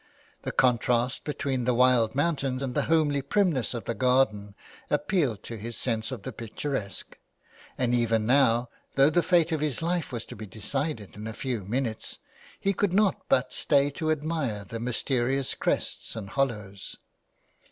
The contrast between the wild mountain and the homely primness of the garden appealed to his sense of the picturesque ; and even now though the fate of his life was to be decided in a few minutes 316 THE WILD GOOSE. he could not but stay to admire the mysterious crests and hollows.